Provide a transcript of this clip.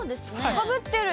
かぶってる。